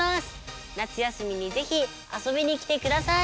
夏休みにぜひ遊びに来てください！